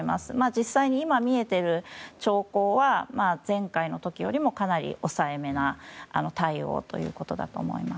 実際に今、見えている兆候は前回の時よりもかなり抑え目な対応ということだと思います。